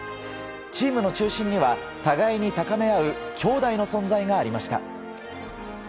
チームの中心には互いに高めあう兄弟の存在がありました。